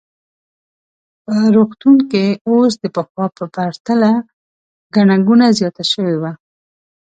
په روغتون کې اوس د پخوا په پرتله ګڼه ګوڼه زیاته شوې وه.